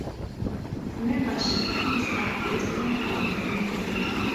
Membership fees are based on enrollment.